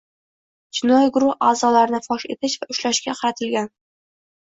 jinoiy guruh a’zolarini fosh etish va ushlashga qaratilgan